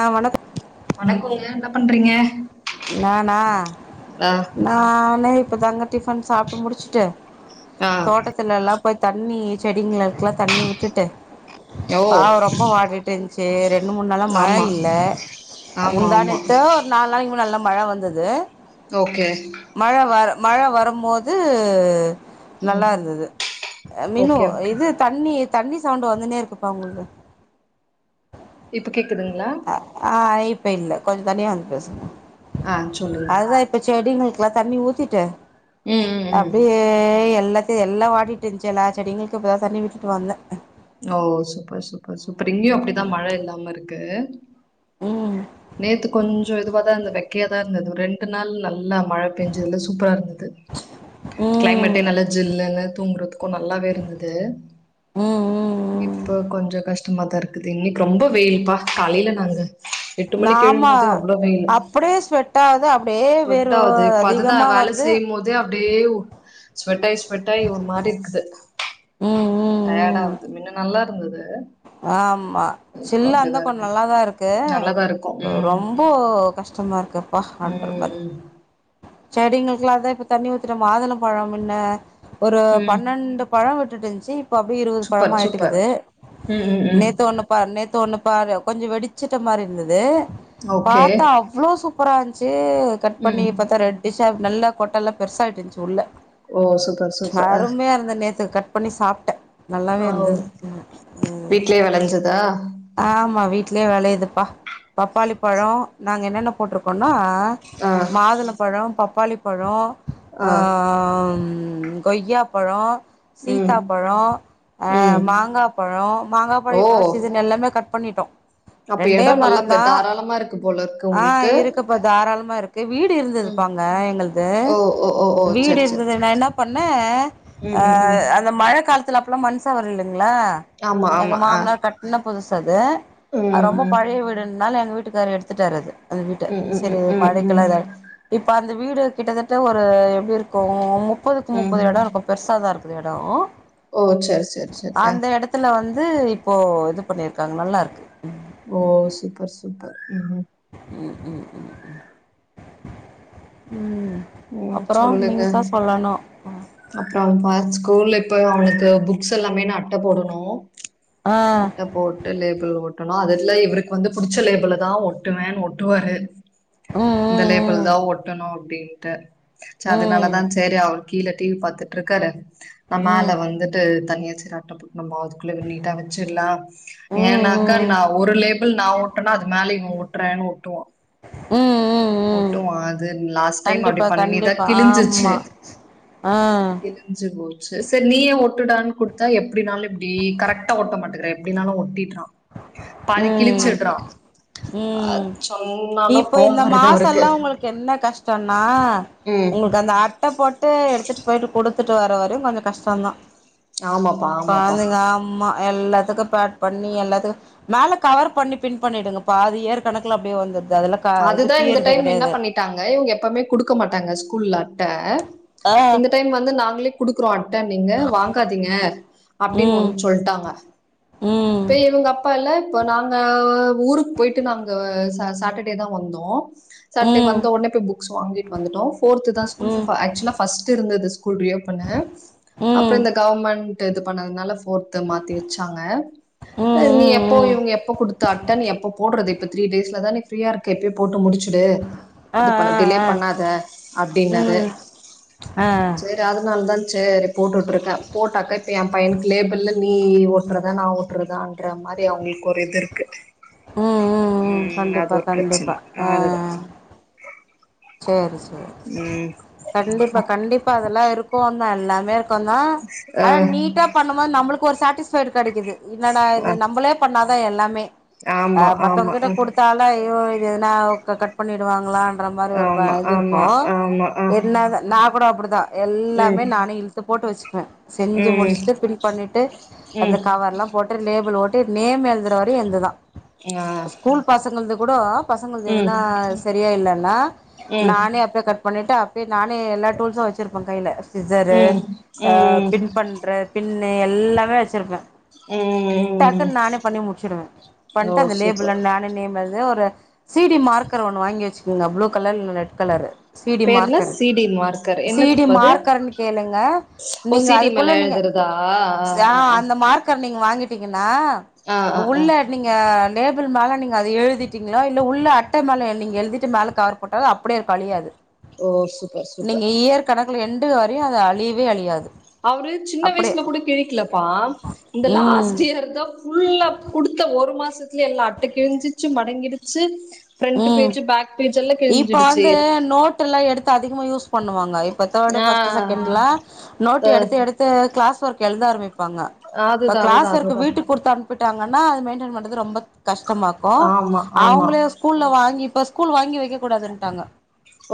ஆ வணக் வணக்கோங்க என்ன பண்றீங்க நானா ஆ நானே இப்பதாங்க டிஃபன் சாப்ட்டு முடிச்சுட்டு ஆ தோட்டத்துல எல்லா போய் தண்ணி செடிங்கலுக்குலா தண்ணி விட்டுட்டு ஓ பாவ ரொம்ப வாடிட்டு இருந்ச்சு ரெண்டு மூணு நாளா மழ ஆமா இல்ல ஆமா ஆமா முந்தானேத்து ஒரு நாலு நாளைக்கு நல்லா மழ வந்தது ஓகே மழ வர் மழ வரும்போது நல்லா ம் இருந்தது மினு ஓகே ஓகே இது தண்ணி தண்ணி சவுண்ட் வந்துனே இருக்குப்பா உங்கள்து இப்ப கேக்குதுங்ளா ஆ இப்ப இல்ல கொஞ்ச தனியா வந்து பேசுங்க ஆ சொல்றங் ப்ப செடிங்களுக்கெல்லா தண்ணி ஊத்திட்டு ம் ம் ம் அப்டியே எல்லாத்தையு எல்லா வாடிட்டு ருந்துச்சு எல்லா செடிங்களுக்கு இப்போததண்ணி விட்டுட்டு வந்த ஓ சூப்பர் சூப்பர் சூப்பர் இங்கயு அப்டிதா மழ இல்லாம இருக்கு ம் நேத்து கொஞ்சோ இதுவா தா இருந்தது வெக்கையா தா இருந்தது ரெண் ரெண்டு நாள் நல்லா மழ பெஞ்சதுல்ல சூப்பரா ருந்தது ம் கிளைமேட்டே நல்ல ஜில்லுனு தூங்குறதுக் க்கு நல்லாவே இருந்தது ம் ம் ம் இப்ப கொஞ்சொ கஷ்ட டமாதாருக்குது இன்னக்கி ரொம்ப வெயில்ப்பா காலையில நாங்க எட்டு மணி எழும் நாமா போது அவ்ளோ வெயிலு அப்டியே ஸ்வெட் ஆகுது அப்டியே வேர்வ ஸ்வெட்டாவுது இப்ப அதுதா அதிகமா வேல வருது செய்யு போது அப்டியே ஸ்வெட்டாய் ஸ்வெட்டாய் ஒரு மாரி இருக்குது ம் டயாடாவுது மின்ன நல்லா ருந்தது ஆம்மா சில்லா ருந்தா கொஞ்சோ இருக்கு நல்லாதா ருக் க்கு நல்லாதா இருக்கு ம் ரொம்போ கஷ்டமா ருக்குப்பா [unintelligible] மாரி ம் செடிங்களுக்ல்லா அதா இப்ப தண்ணி ஊத்திட்டே மாதுழம்பழோ மின்ன ஒரு ம் பன்னெண்டு பழொ விட்டுட்டுருந்துச்சு இப்ப அப்டியே இருபது சூப்பர் சூப்பர் பழமாய்ட்டுக்குது ம் ம் ம் நேத்து ஒண்ணு பாரு நேத்து ஒண்ணு பாரு கொஞ்சோ வெடிச்சுட்ட மாரி இருந்தது ஓகே பாத்தா இவ்ளோ சூப்பரா இருந்துச்சு கட் பண்ணி ம் பாத்தா ரெட் டிஷ்ஷா நல்லா கொட்டெல்லா பெருசாகிட்டுருந்துச்சு உள்ள ஓ சூப்பர் சூப்பர் அ அருமையாருந்தது நேத்துக்கு கட் பண்ணி சாப்ட நல்லாவே ஆ ஓ இருந்தது வீட்லயே வெளஞ்சதா ஆமா வீட்லயே வெளையுதுப்பா பப்பாளி பழோ நாங்க என்னென்ன போட்ருக்கோனா ஆ மாதுழம்பழோ பப்பாளி பழோ ஆ கொய்யாப்பழோ ம் சீத்தாப்பழோ ம் மாங்காப் பழோ மாங்கா பழோ ஓ இப்போ தா சீசன் எல்லாமே கட் பண்ணிட்டோ அப்ப ரெண்டே எடோ நல்லா மரந்தா தாராளமா இருக்கு போலருக்கு உங்களுக்கு இப்ப தாராளமா இருக்கு வீடு ம் இருந்ததுபா அங்க எங்கள்து ஓ ஓ ஓ ஓ வீடு செரி செரி இருந்தது நா என்ன பண்ணெ ம் அ ம் ம் அந்த மழ காலத்துல அப்பல்லா மண்சொவர் இல்லேங்ளா ஆமா எங்க ஆமா ஆ மாமனார் கட்டுன புதுசு அது ம் அது ரொம்ப ம் பழைய வீடுனால எங்க வீட்டுக்காரு எடுத்துட்டார் அது அந்த வீட்ட ம் ம் சரி ம் ம் ம் மழக்கெல்லா இப்ப அந்த வீடு கிட்டத்தட்ட ஒரு எப்டிருக்கு முப்பதுக்கு ம் முப்பது எடோ ருக்கு பெருசா தாருக்கு எடோ ஓ செர் செர் செர் அ துல வந்து இப்போ இது பண்ணிருக்காங்க நல்லார்க்கு ஓ சூப்பர் சூப்பர் ம் ம் ம் ம் ம் ம் ம் அப்பரோ நீங்க தா சொல்லணு அப்ரோ பா ஸ்கூல்ல இப்ப அவனுக்கு புக்ஸ் எல்லாமே நா அட்ட போடணு ஆ அட்ட போ டு லேபிள ஓட்டனு அதுல இவருக்கு வந்து புடுச்ச லேபிள தா ஒட்டுவேனு ஒட்டுவாரு ம் இந்த லேபிள் ம் தா ஒட்டணு அப்டின்ட்டு சேர் ம் அதனாலதா சேரி அவரு கீழ டிவி பாத்துட்ருக்காரு நா ம் ம் மேல வந்துட்டு தனியாச் நம்மதுக்குள்ள நீட்டா வச்சிட்லா ம் ஏன்னாக்கா ம் நா ஒருலே லேபிள் நா ஒட்டுனா அது மேலயே இவே ஒட்டுறேன்னு ஒட்டுவா ம் ம் ம் ஒட்டுவோ அது லாஸ் ட் டைம் அப்டி கண்டிப்பா பண்ணிதா கண்டிப்பா கிழிஞ்சிச்சு ஆமா ஆ கிழி ஞ்ச்சு போச்சு சரி நீயே ஒட்டுடான்னு குடுத்தா எப்டினாலு இப்டி கரெக்டா ஒட்ட மாட்டேங்ற எப்டினாலு ஒட்டிட்றா பாதி ம் கிழிச்சுட்றா அ ம் சொன்னாலும் இப்போ கோவோ இந்த வருது அவருக்கு மாசல்லா உங்களுக்கு என்ன கஷ்டோன்னா ம் உங்ளுக்கு அந்த அ அட்ட போட்டு எடுத்துட்டு போயிட்டு குடுத்துட்டு வர வரையு கொஞ்சோ கஷ்டோதா ஆமாப்பா ஆமாப்பா பாருங்க அம்மா எல்லாத்துக்கும் பேட் பண்ணி எல்லா த்துக் மேல கவர் பண்ணி பின் பண்ணிடுங்கப்பா அது ஏற்கணக்கல அப்டியே வந்ருது அதுல க இது அதுதா இந்த பீயறது டைம் என்ன கெடையாது பண்ணிட்டாங்க இவுங்க எப்பவுமே குடுக்க மாட்டாங்க ஸ்கூல்ல அட்ட ஆ இந்த டைம் வந்து நாங்களே குடுக்குறோ அட்ட நீங்க வாங்காதீங்க அப்டினு ம் ஒன்னு சொல்டாங்க ம் இப்பே இவுங்க அப்பா இல்ல இப்ப நாங்க ஊருக்கு போய்ட்டு நாங்க ச சாட்ட டேதா வந்தோம் சாட்டே ம் வந்த ஒடனே போய் புக்ஸ் வாங்கிட்டு வந்துட்டோம் போர்த்துதா ம் சு ஆக்சுவலா ஃபஸ்ட் இருந்தது ஸ்கூல் ரியோப்பன் அப்ப ம் இந்த கவர்மெண் ட் இது பண்ணதுனால போர்த்து மாத்தி வச்சாங்க ம் நீ ம் எப்ப ம் இவுங்க எப்ப குடுத் த அட்டா நீ எப்ப போட்றது இ த்ரீ டேஸ்லதானே நீ பிரீயா இருக்க இப்ப போட்டு முடுச்சுடு ஆ இது பண்ண ஆ டிலே ஆ பண்ணாத அப்டின்னாரு ம் ஆ செ அதனால தா சேரி போட்டுவிட்ருக்கே போட்டாக்கா இப்போ என் பையனுக்கு லேபிள்ல நீ ஒட்றதா நா ஒட்றதா பண்ற மாரி அவுங்களுக்கு ஒரு இது இருக்கு ம் ம் ம் உம் அது கண்டிப்பா ஒரு கண்டிப்பா பிரச்சன ஆ அது தா சரி ச ம் கண்டிப்பா கண்டிப்பா அதெல்லா இருக்கும்ல எல்லாமே இருக்கு ஆனா நீட்டா பண்ணும்பது நம்மளுக்கு ஒரு சாட்டிஸ்ஃபைடு கெடைக்குது என்னடா இது நம்மளே பண்ணாதா எல்லாமே ஆ அ ஆமா மத்தவங்க கிட்ட குடுத்தாலே ஐயோ இது எதுன்னா க கட் பண்ணிடுவாங்களா என்ற மாரி ஒரு ப ஆமா இது ஆமா இருக்கும் ஆமா ஆ என்னதா நா கூட அப்டித்தா எல்லாமே ம் நானே இழுத் து போட்டு வச்சுக்குவே செஞ்சு ம் முடிச்சுட்டு பின் பண்ணிட்டுஅந்த ம் காவர்ரெலா போட்டு லேபிள் ஒட்டி நேம் எழுதுற வரையும் எந்துதா ஆ ஸ்கூல் பசங்கள்து கூட பசங்களுக்கு ம் எதுனா சரியா இல்லன்னா ம் நானே அ த கட் பண்ணிட்டு அப்டியே நானே எல்லா டூல்ஸும் வச்சிருப்பே கையில சிஸ்ஸரு ம் அ ம் பின் பண்ற பின்னு எல்லாமே வெச்சிருப்பே ம் ம் டக்குன்னு நானே பண்ணி முடிச்சடுவே ஓ பண்ட்டு அந்த லேபிள சூப்பர் நானே நேம் எழுதி எதோ ஒரு சீடி மார்க்கர் ஒன்னு வாங்கி வச்சுக்கோங்க ப்ளூ கலர் இல்ல ரெட் கலரு சீடி பேர்ல marker C D marker CD என்னத்துக்கு அது மார்க்கர்ன்னு கேளுங்க ஓ நீங்க சி டி அதுக்குள்ள மேல நீங்க எழுதுறதா ஆ ஸ் அந்த மார்க் கர் நீங்க வாங்கிட்டீங்கன்னா ஆ ஆ ஆ உள்ள நீங்க லேபிள் மேல நீங்க அது எழுதிட்டீங்களோ இல்ல உள்ள அட்டை மேல நீங்க எழுதிட்டு மேல கவர் போட்டா அப்டியே இருக்கு அழியாது ஓ சூப்பர் சூப்பர் நீங்க இயற் கணக்குல எண்டு வரையும் அது அழியவே அழியாது அவரு சின்ன அப்டியே வயசுல கூட கிளிக்கலப்பா இந்த ம் லாஸ்ட் இயர் தா ஃபுல்லா குடுத்த ஒரு மாசத்துலயே எல்லா அட்ட கிழிஞ்சிச்சு மடங்கிடுச்சு ஃபிரண்ட் ம் பேஜ் பேக் பேஜ் எல்லா இப்ப கிஞ்சிடுச்சு வந்து நோட் எல்லா எடுத்து அதிகமா யூஸ் பண்ணுவாங்க இப்ப தேடு ஃ ஆ ஃபஸ்ட்டு செகண்ட்ல நோட் அ எடுத்து எடுத் து க்ளாஸ் ஒர்க் எழுத ஆரம்பிப்பாங்க இப்ப அதுதா அதுதா க்ளாஸ் ஒர்க் அதுதா வீட்டு குடுத்தனுப் பிட்டாங்கன்னா அது மெய்டன் பண்றது ரொம்ப கஷ்டமாக்கு ஆமா ஆமா அவுங்களே ஸ்கூல்ல வாங்கி இப்ப ஸ்கூல் வாங்கி வெக்க கூடாதுன்ட்டாங்க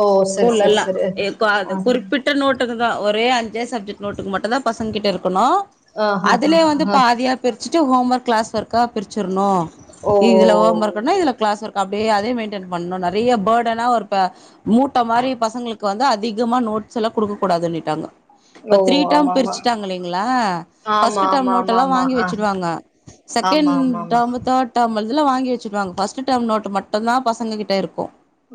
ஓ சரி ஸ்கூல்ல சரி எல்லா சரி எ அ அத ஆ குறிப்பிட் ட நோட்டுக்கு தா ஒரே அஞ்சே சப்ஜெட் நோட்டுக்கு மட்டு தா பசங்க கிட்ட இருக்கு இருக்கணு ஆ ஹ ஹ அதுல வந்துலே ஹ பாதியா பிரிச்சுட்டு ஹோம் ஒர்க் க்ளாஸ் ஒர்கா பிரிச்சுர்னு ஓ இதுல ஹோம் ஒர்குனா இதுல க்ளாஸ் ஒர்க் அப்டியே அதே மெயின்டன் பண்ணு நெறய பேடனா ஒரு இப்ப மூட்ட மாரி பசங்களுக்கு வந்து அதிக நோட்ஸ் எல்லா குடுக்க கூடாதுன்னுட்டாங்க இப்ப ஓ த்ரீ டேம் ஆமா ஆமா பிரிச்சுட்டாங்க இல்லீங்களா ஆமா ஃபஸ்ட்டு டேம் ஆமா நோட் ஆமா எல்லா ஆமா வாங்கி ஆ வெச்சுடுவாங்க ஆமா செகண்ட் ஆமா ஆமா டேமு தே டேம் இதுல வாங்கி வெச்சுருவாங்க ஃபஸ்ட் டேமு நோட்டு மட்டுந்தா பசங்க கிட்ட இருக்கு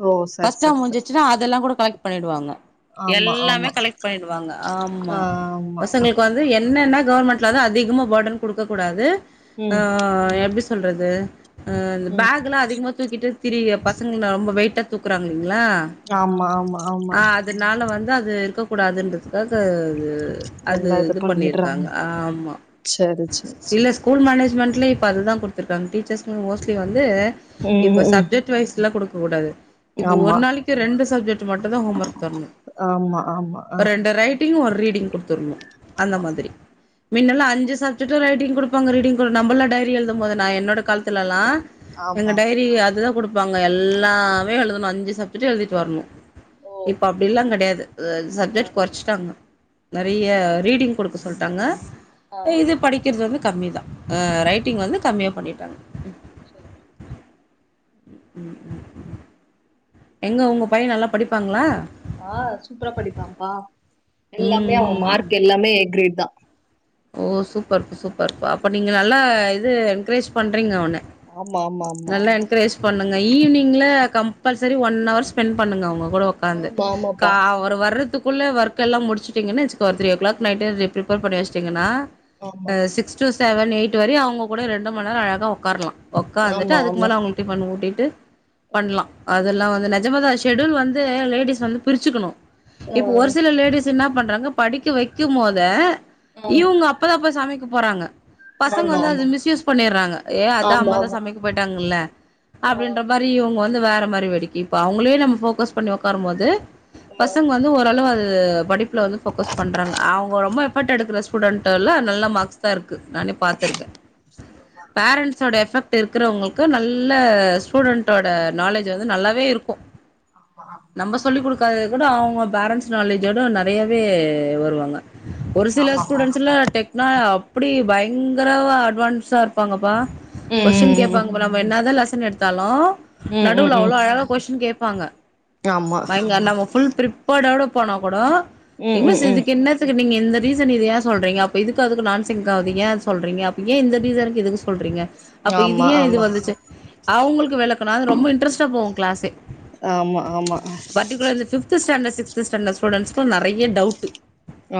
ஓ சரி ஃபஸ்ட் டேம் சரி சரி முடிஞ்சிச்சுன்னா அதெல்லா கூட கலெக்ட் பண்ணிடுவாங்க ஆமா எல்லாமே ஆமா கலெக்ட் பண்ணிடுவாங்க ஆமா ஆ ஆமா பசங்களுக் கு வந்து என்னன்ன கவர்மெண்ட்ல வந்து அதிகமா பேர்டன் குடுக்க கூடாது ஆ ம் எப்டி சொல்றது அ இந்த ம் பேக் எல்லா அதிகமா தூக்கிட்டு திரியே பசங்ள ரொம்ப வெயிட்டா தூக்குறாங்கில்லைங்ளா ஆமா ஆமா ஆமா இதனால வந்து அது இருக்க கூடாதுன்றதுக்காக அது அது எல்லா இது பண்ணிடுறாங்க பண்ணிருக்காங்க ஆமா சரி சரி சரி சில ஸ்கூல் மேனஜ்மெண்ட்லய இப்ப அதுதா குடுத்துருக்காங்க டீச்சர்ஸ்க்கு மோஸ்ட்லி வந்து ம் ம் இப்ப ம். சப்ஜெட் வைஸ்ல குடுக்க கூடாது இப்போ ஒரு ஆமா நாளைக்கு ரெண்டு சப்ஜெட் மட்டுதா ஹோம் ஒர்க் தரணு ஆமா ஆமா ஆ ஒரு ரெண்டு ரைட் டிங் ஒரு ரீடிங் குடுத்துருணு அந்த மாத்ரி மின்னல்ல அஞ்சு சப்ஜெட்டு ரைட்டிங் குடுப்பாங்க ரீடிங் நம்மல்லா டைரி எழுதம் போது நா என்னோட காலத்துலல்லா எங்க ஆமா டைரி அதுதா குடுப்பாங்க எல்லாமே எழுதணு அஞ்சு சப்ஜெட்டு எழுதிட்டு வர்ணு ஓ இப்ப அப்டில்லா கெடயாது ஆ சப்ஜெட் கொறச்சுட்டாங்க நெறய ரீடிங் குடுக்க சொல்ட்டாங்க ஆ இது படிக் கிறது வந்து கம்மி தா அ ரைட்டிங் வந்து கம்மியா பண்ணிட்டாங்க [inaudible] ம் ம் ம் ம் எங்க உங்க பைய்யே நல்லா படிப்பாங்களா ஆ சூப்பரா படிப்பாம் பா ம் எல்லாமே அவ ம் மார்க் எல்லாமே ஏ கிரேட் தா ஓ சூப்பர் சூப்பர்ப்பா அப்ப நீங்க நல்லா இது என்க்ரேஜ் பண்றீங்க அவன ஆமா ஆமா ஆமா நல்லா என்க்ரேஜ் பண்ணுங்க ஈவினிங்ல கம்பல்சரி ஒன் அவர் ஸ்பெண்ட் பண்ணுங்க அவுங்க கூட உக்காந்து ஆமா க ஆமாப்பா அவரு வர்றதுக்குள்ள ஒர்க் எல்லா முடிச்சுட்டீங்கன்ன வெச்சிக்கோ three o'clock night prepare பண்ணி வெச்சிட்டீங்கன்னா ஆமா அ six two seven eight வரயு அவுங்க கூட ரெண்டு மண் நேரோ அழகா உக்காரலா உக்காந்துட்டு ஆமா அதுக்கு ஆமா மேல அவுங்களுக் டிஃபன் ஊட்டிட்டு பண்லா அதெல்லா வந்து நெஜமாதா ஸ்ஷெடியூல் வந்து லேடிஸ் வந்து பிரிச்சுக்கணு ஆ இப்ப ஒரு சில லேடிஸ் என்ன பண்றாங்க படிக்க வைக்கும் போதே ஆ இவுங்க அப்பதா போய் சமைக்க போறாங்க பசங்க ஆமா வந்து அது ஆமா மிஸ்யூஸ் பண்ணிறாங்க ஏ அதா ஆமா அம்மா தா ஆமா சமைக்க போய்ட்டாங்கல்ல ஆ அப்டின்ற மாரி து இவ்ங்க வந்து வேற மாரி வடுக்கி இப்ப அவ்ங்களே நம்ம ஃபோக்கஸ் பண்ணி ஒக்காரும் போது ஆ பசங்க வந்து ஓரளவு அது படிப்புல வந்து ஃபோக்கஸ் பண்றாங்க அவ்ங்க ரொம்ப எஃபர்ட் எடுக்கிற ஸ் ஸ்டூடென்டெல்லா நல்ல மார்க்ஸ் தா இருக்கு நானே பாத்துருக்கே பேரண்ட்ஸோட எஃபெக்ட் இருக்குறவ்ங்களுக்கு நல்ல ஸ்டூடெண்ட்டோட நாலேஜ் வந்து நல்லாவே இருக்கு [inaudible] ஆமா நம்ப சொல்லி குடுக்காதது கூட அவ்ங்க பேரண்ட்ஸ் நாலேஜோட நெறையாவே வருவாங்க ஒரு சில ஸ் சில டெக்னா அப்டி பயங்கரவா அட்வான்ஸ்டா இருப்பாங்கப்பா ம் கொஸ்டின் ம் கேப்பாங்கப்பா நம்ம என்னதா லெசன் எடுத்தாலு ம் ம் நடுவுல ம் அவ்ளோ அழகா கொஸ்டின் கேப்பாங்க ஆமா பையங்க நம்ம ஃபுல் ப்ரிப் பர்டோட போனா கூட ம் ஏ ம் மிஸ் ம் இதுக்கு என்னத்துக்கு நீங்க இந்த ரீசன் இது ஏ சொல்றீங்க அப்ப இதுக்கு அதுக்கு நான் சிங்க் ஆகுது ஏ சொல்றீங்க அப்ப ஏ இந்த ரீசனுக்கு இதுக்கு சொல்றீங்க அப்ப இது ஆமா ஏ இது ஆமா வந்துச்சு அவ்ங்களுக்கு வெளக்கனு அது ரொம்ப இன்ட்ரெஸ்ட்டா போகு கிளாஸே ஆமா ஆமா பர்ட்டிகுலரா இந்த ஃபிஃப்த்து ஸ்டாண்டர்ட் சிஸ்த்து ஸ்டாண்டர்ட் ஸ்டுடென்ட்ஸுக்குலா நெறைய டவுட்டு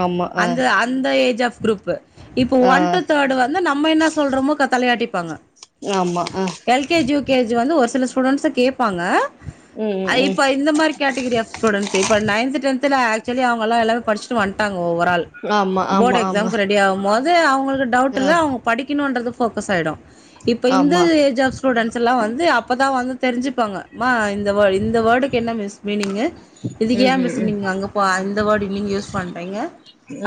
ஆமா ஆ அந்த அது அந்த ஏஜ் ஆஃப் குரூப்பு இப்போ ஆ ஒன் டூ தேர்டு வந்து நம்ம என்ன சொல்றோமோ க தலையாட்டிப்பாங்க ஆமா அ L K G U K G வந்து ஒரு சில ஸ்டூடெண்ட்ஸ கேப்பாங்க ம் அ ம் ம் இப்ப இந்த மாரி கேட்டகிரி ஆஃப் ஸ்டூடண்ட்ஸு இப்ப நைன்த்து டென்த்துல ஆக்சுவலி அவங்கலா எல்லாரு படிச்ட்டு வந்ட்டாங்க ஓவரால் ஆமா போர்ட் ஆமா ஆமா எக்ஸாமுக்கு ரெடி ஆகு ம் போது அவ்ங்களுக்கு டவுட் இல்ல ஆ அவ்ங்க படிக்கணுன்றது ஃபோக்கஸ் ஆயிடு இப்ப இந்த ஆமா ஏஜ் ஆஃப் ஸ் ஸ்டூடெண்ட்ஸ் எல்லா வந்து அப்பதா வந்து தெரிஞ்சுப்பாங்க மா இந்த வேர்ட் இந்த வேர்டுக்கு என்ன மீஸ் மீனிங்கு இதுக்கு ம் ஏ ம் மிஸ் ம் நீங்க அங்க இப்ப அந்த வேர்டு நீங்க யூஸ் பண்றீங்க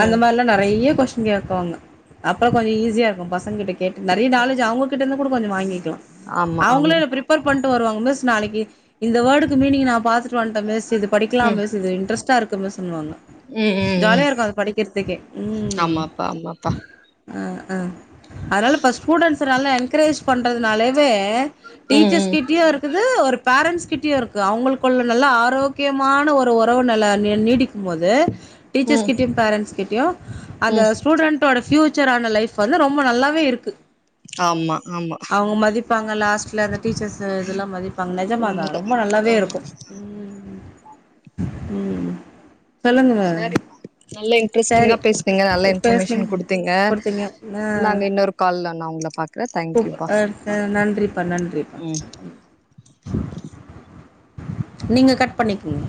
அந்த ம் மாரிலா நெறைய கொஸ்டின் கேக்குவாங்க அப்பற கொஞ்ச ஈஸியா இருக்கு பசங்கிட்ட கேட்டு நெறைய நாலேஜ் அவ்ங்களுக் கிட்டருந்து கூட கொஞ்ச வாங்கிக்கலா ஆமா ஆமா அவ்ங்களு ப்ரிப்பர் பண்ட்டு வருவாங்க மிஸ் நாளைக்கு இந்த வேர்டுக்கு மீனிங் நா பாத்துட்டு வந்ட்ட மிஸ் இது படிக்கலா ம் மிஸ் இது இன்டரெஸ்டா இருக்கு மிஸுனுவாங்க ம் ம் ம் கிர்த்துக்கே ம் ஆமாப்பா ஆமாப்பா ஆ ஆ அதனால இப்ப ஸ்டூடென்ஸ நல்லா என்கரேஜ் பண்றதுனாலேவே ம் டீச்சர்ஸ் ம் கிட்டையு இருக் குது ஒரு பேரண்ட்ஸ் கிட்டையு இருக்கு அவ்ங்களுக்குள்ள நல்ல ஆரோக்கியமான ஒரு ஒறவு நல்லா நீ நீடிக் கும் போது டீச்சர்ஸ் ம் கிட்டையு பேரண்ட்ஸ் கிட்டையு அந்த ம் ஸ்டூடெண்ட் டோட ஃபியூச்சரான லைஃப் வந்து ரொம்ப நல்லாவே இருக்கு ஆமா ஆமா அவ்ங்க மதிப்பாங்க லாஸ்ட்ல அந்த டீச்சர்ஸ இதுலா மதிப்பாங்க நெஜமா தா உண்மதா ரொம்ப நல்லாவே ஆமா இருக்கு ம் ம் சொல்லுங்க சேரி நல்ல இன் இன்ட்ரெஸ்டிங்கா சரி பேசுனிங்க நல்ல இன்ஃபர்மேஷன் பேசுனீங்க குடுத்தீங்க குடுத்தீங்க ஆ நாங்க இன்னொரு கால்ல நா உங்கள பாக் கூப் அ அ நன்றிப்பா நன்றிப்பா ம் நீங்க கட் பண்ணிக்குங்க